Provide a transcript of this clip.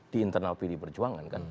di internal pdi perjuangan kan